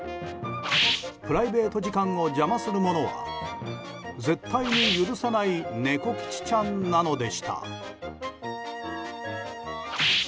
プライベート時間を邪魔する者は絶対に許さないネコ吉ちゃんなのでした。